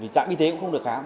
trạm y tế cũng không được khám